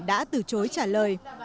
đã từ chối trả lời